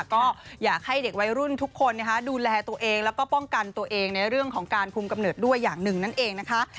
ก็อยากให้เด็กวัยรุ่นทุกคนดูแลตัวเองแล้วก็ป้องกันตัวเองในเรื่องของการคุมกำเนิดด้วยอย่างหนึ่งนั่นเองนะคะ